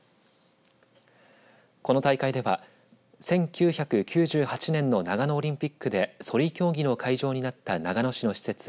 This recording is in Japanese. この大会では１９９８年の長野オリンピックでそり競技の会場になった長野市の施設